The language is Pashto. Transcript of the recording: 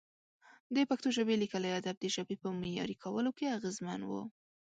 د پښتو ژبې لیکلي ادب د ژبې په معیاري کولو کې اغېزمن و.